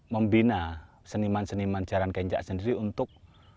membina seniman seniman jalan kencak sendiri untuk